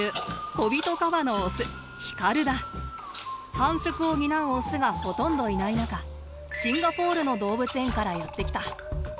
繁殖を担うオスがほとんどいない中シンガポールの動物園からやって来た。